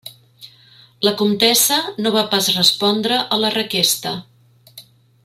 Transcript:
La comtessa no va pas respondre a la requesta.